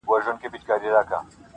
یو څو ورځي یې خالي راوړل دامونه -